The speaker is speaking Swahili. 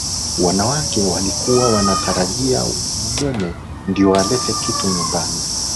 Wanawake walikuwa wanatarajia mume ndio alete kila kitu nyumbani